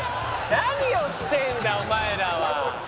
何をしてんだお前らは。